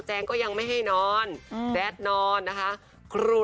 งก็ยังไม่ให้นอนแจ๊ดนอนนะคะ